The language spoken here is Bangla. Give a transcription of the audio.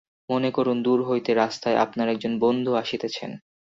মনে করুন, দূর হইতে রাস্তায় আপনার একজন বন্ধু আসিতেছেন।